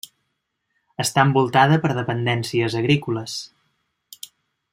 Està envoltada per dependències agrícoles.